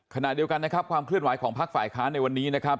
ขณะเดียวกันนะครับความเคลื่อนไหวของพักฝ่ายค้านในวันนี้นะครับ